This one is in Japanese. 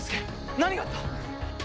何があった！？